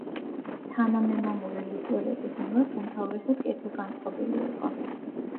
თანამემამულე ლიტველების მიმართ უმთავრესად კეთილგანწყობილი იყო.